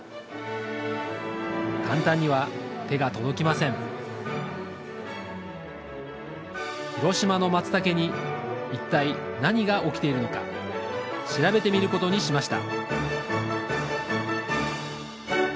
簡単には手が届きません広島のマツタケに一体何が起きているのか調べてみることにしました